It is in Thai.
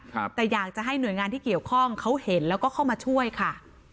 ครับแต่อยากจะให้หน่วยงานที่เกี่ยวข้องเขาเห็นแล้วก็เข้ามาช่วยค่ะ